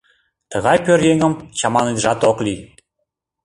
Тыгай пӧръеҥым чаманыдежат ок лий.